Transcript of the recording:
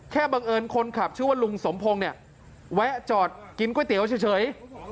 บังเอิญคนขับชื่อว่าลุงสมพงศ์เนี่ยแวะจอดกินก๋วยเตี๋ยวเฉย